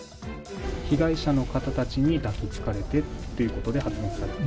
被害者の方たちに抱きつかれてということで発言された？